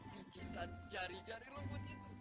kecintaan jari jari lo buat itu